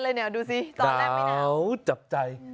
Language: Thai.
หนาวจับใจ